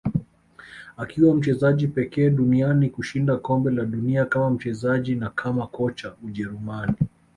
Akiwa mchezaji pekee duniani kushinda kombe la dunia kama mchezaji na kama kocha Ujerumani